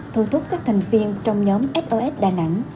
thôi thúc các thành viên trong nhóm sos đà nẵng